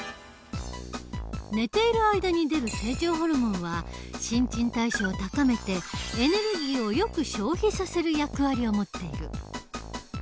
寝ている間に出る成長ホルモンは新陳代謝を高めてエネルギーをよく消費させる役割を持っている。